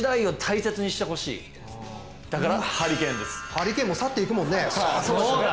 ハリケーンも去っていくもんね。